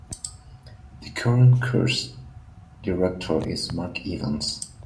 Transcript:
The current course director is Mark Evans.